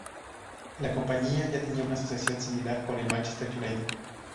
La compañía ya tenía una asociación similar con el Manchester United.